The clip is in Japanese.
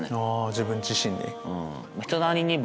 自分自身に。